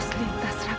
ini semua karena ulahmu